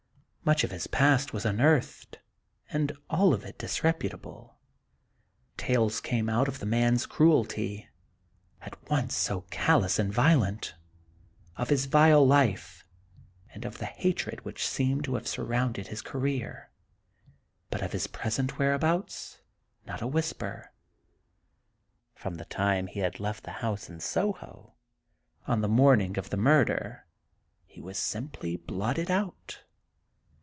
Much of his past was unearthed, and all disreputable; tales came out of the man's cruelty, at once so callous and Dr. Jekyll and Mr. Hyde. 17 violent, ŌĆö of his vile life, and of the hatred which seemed to have surrounded his ca reer, ŌĆö but of his present whereabouts, not a whisper. From the time he had left the house in Soho, on the morning of the murder, he was simply blotted out.